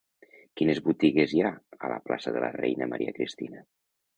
Quines botigues hi ha a la plaça de la Reina Maria Cristina?